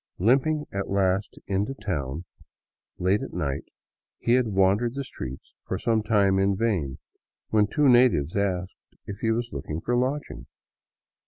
Limping at last into town, late at night, he had wandered the streets for some time in vain, when two natives asked if he was looking for lodging.